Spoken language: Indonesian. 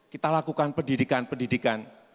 kita lakukan pendidikan pendidikan